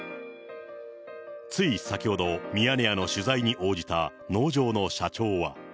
つい先ほど、ミヤネ屋の取材に応じた農場の社長は。